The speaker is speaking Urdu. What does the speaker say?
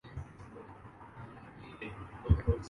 چاہنا تو مرے تئیں امداد خوب ہے۔